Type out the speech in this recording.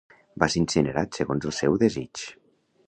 Va ser incinerat segons el seu desig.